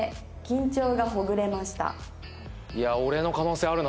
いや俺の可能性あるな全然。